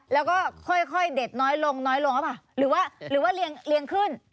แล้วก็ค่อยเด็ดน้อยลงน้อยลงหรือเปล่าหรือว่าหรือว่าเรียงขึ้น